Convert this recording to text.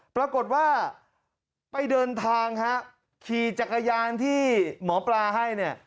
ปรากฏว่าไปเดินทางฮะขี่จักรยานที่หมอปลาให้เนี่ย